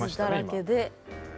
傷だらけで。